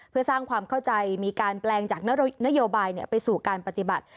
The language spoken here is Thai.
เพื่อสร้างความเข้าใจมีการแปลงจากนโยบายไปสู่การปฏิบัติ